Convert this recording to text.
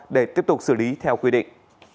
để tiếp tục xử lý theo quy định